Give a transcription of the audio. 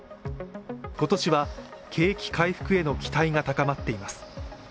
今年は景気回復への期待が高まっています。